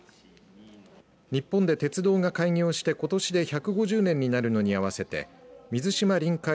日本で鉄道が開業して、ことしで１５０年になるのに合わせて水島臨海